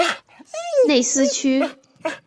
内斯屈。